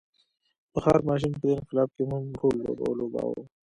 بخار ماشین په دې انقلاب کې مهم رول ولوباوه.